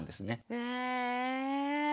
へえ。